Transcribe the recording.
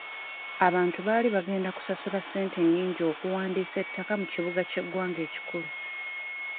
Abantu baali bagenda kusasula ssente nnyingi okuwandiisa ettaka mu kibuga ky'eggwanga ekikulu.